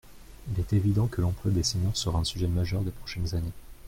Il est évident que l’emploi des seniors sera un sujet majeur des prochaines années.